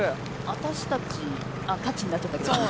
私たちたちになっちゃったけど。